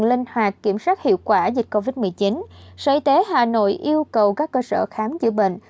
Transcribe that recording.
linh hoạt kiểm soát hiệu quả dịch covid một mươi chín sở y tế hà nội yêu cầu các cơ sở khám chữa bệnh